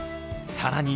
さらに。